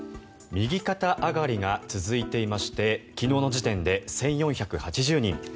右肩上がりが続いていまして昨日の時点で１４８０人。